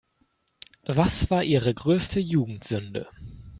Was war Ihre größte Jugendsünde?